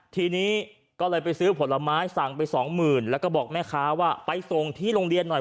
ทีนี้ก็เลยไปซื้อผลไม้สั่งไปสองหมื่นแล้วก็บอกแม่ค้าว่าไปส่งที่โรงเรียนหน่อย